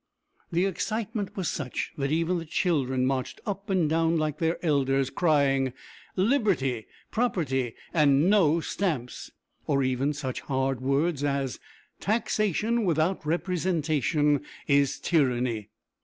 The excitement was such that even the children marched up and down like their elders, crying, "Liberty, Property, and No Stamps!" or even such hard words as "Taxation without representation is tyranny."